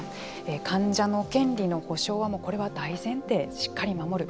患者の権利の保障はこれは大前提、しっかり守る。